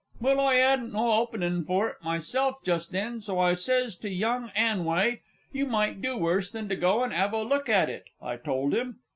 _) Well, I 'adn't no openin' for it myself just then, so I sez to young 'Anway, "You might do worse than go and 'ave a look at it," I told him.